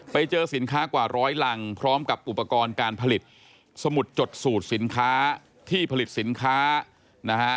ไปเจอสินค้ากว่าร้อยลังพร้อมกับอุปกรณ์การผลิตสมุดจดสูตรสินค้าที่ผลิตสินค้านะฮะ